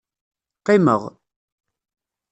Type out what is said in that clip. Qimeɣ.